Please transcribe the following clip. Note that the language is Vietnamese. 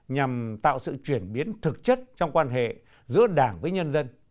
nhằm tạo sự chuyển biến thực chất trong quan hệ giữa đảng với nhân dân